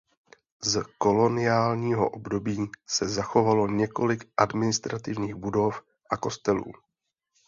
Z koloniálního období se zachovalo několik administrativních budov a kostelů.